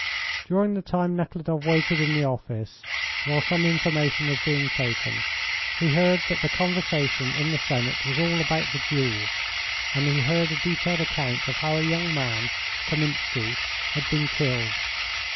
During the time Nekhludoff waited in the office, while some information was being taken, he heard that the conversation in the Senate was all about the duel, and he heard a detailed account of how a young man, Kaminski, had been killed.